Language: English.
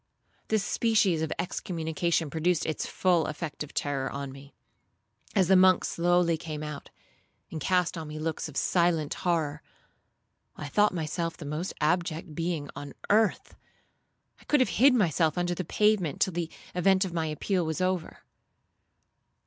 This species of excommunication produced its full effect of terror on me. As the monks slowly came out, and cast on me looks of silent horror, I thought myself the most abject being on earth; I could have hid myself under the pavement till the event of my appeal was over.